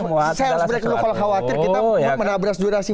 saya harus beritahu kalau khawatir kita menabrak durasi